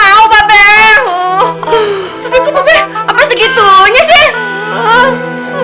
tapi kok mbak beng apa segitunya sih